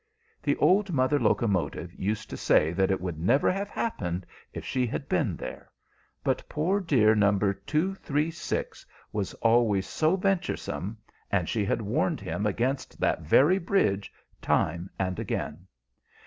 The old mother locomotive used to say that it would never have happened if she had been there; but poor dear No. 236 was always so venturesome, and she had warned him against that very bridge time and again.